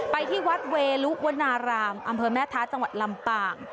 ไปที่วัดเวลุวนารามอำเภอแม่ท้าจังหวัดลำปาง